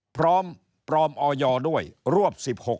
พร้อมออยยดวกคสับเขอ